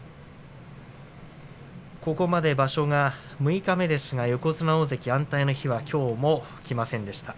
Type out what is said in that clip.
ここまで六日目ですが横綱大関、安泰の日はきょうもきませんでした。